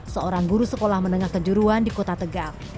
seorang guru sekolah menengah kejuruan di kota tegal